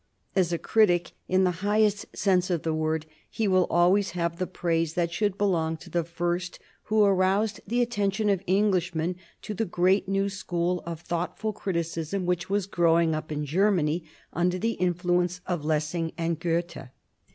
As a critic, in the highest sense of the word, he will always have the praise that should belong to the first who aroused the attention of Englishmen to the great new school of thoughtful criticism which was growing up in Germany under the influence of Lessing and of Goethe.